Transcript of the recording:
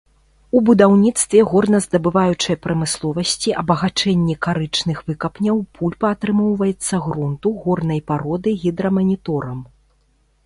У будаўніцтве, горназдабываючай прамысловасці, абагачэнні карычных выкапняў пульпа атрымоўваецца грунту, горнай пароды гідраманіторам.